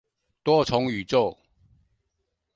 多重宇宙